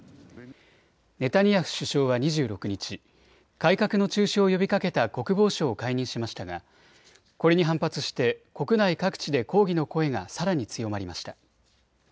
ネタニヤフ首相は２６日、改革の中止を呼びかけた国防相を解任しましたがこれに反発して国内各地で抗議の声がさらに強まりました。